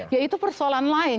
ya itu persoalan lain